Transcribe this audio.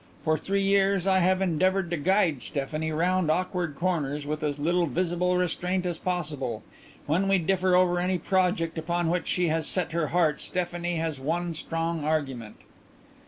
For three years I have endeavoured to guide Stephanie round awkward comers with as little visible restraint as possible. When we differ over any project upon which she has set her heart Stephanie has one strong argument."